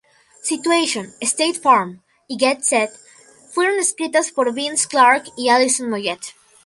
Situation, State Farm y Get Set fueron escritas por Vince Clarke y Alison Moyet.